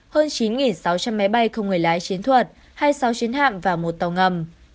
hơn chín sáu trăm linh máy bay không người lái chiến thuật hai mươi sáu chuyến hạm và một tàu ngầm